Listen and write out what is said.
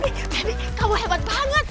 beb beb kamu hebat banget